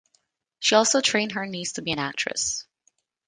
She also trained her niece to be an actress.